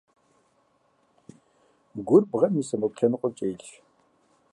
Гур бгъэм и сэмэгу лъэныкъумкӀэ илъщ.